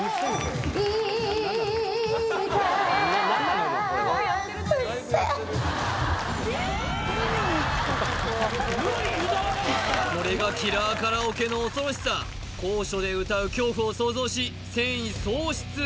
見ていたこれがキラーカラオケの恐ろしさ高所で歌う恐怖を想像し戦意喪失！